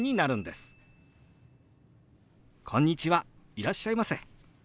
いらっしゃいませ」。